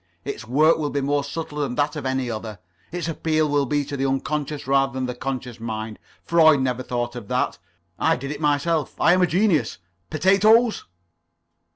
Its work will be more subtle than that of any other. Its appeal will be to the unconscious rather than to the conscious mind. Freud never thought of that. I did it myself. I am a genius. Potatoes."